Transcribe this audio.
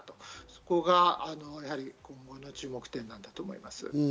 そこが今後の注目点だと思います。